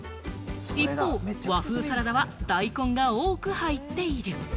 一方、和風サラダは大根が多く入っている。